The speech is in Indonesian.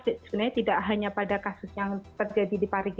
sebenarnya tidak hanya pada kasus yang terjadi di parigi